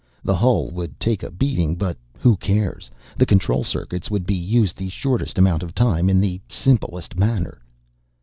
The hull would take a beating, but who cares. The control circuits would be used the shortest amount of time in the simplest manner."